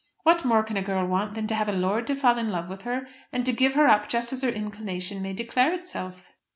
What more can a girl want than to have a lord to fall in love with her, and to give her up just as her inclination may declare itself?